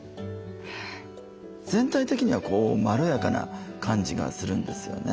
全体的にはまろやかな感じがするんですよね。